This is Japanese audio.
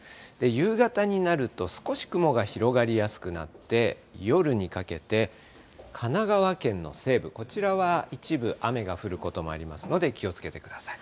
夕方になると少し雲が広がりやすくなって、夜にかけて、神奈川県の西部、こちらは一部雨が降ることもありますので、気をつけてください。